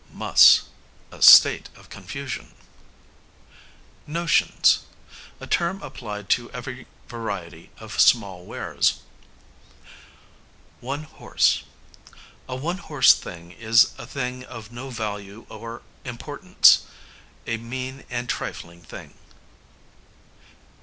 Muss, a state of confusion. Notions, a term applied to every variety of small wares. One horse: a one horse thing is a thing of no value or importance, a mean and trifling thing.